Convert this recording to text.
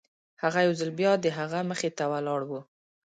هغه يو ځل بيا د هغه مخې ته ولاړ و.